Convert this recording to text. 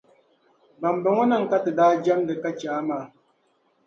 Bambɔŋɔnima ka ti daa jamdi ka che a maa.